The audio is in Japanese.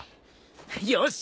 よし！